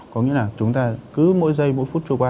có nghĩa là chúng ta cứ mỗi giây mỗi phút trôi qua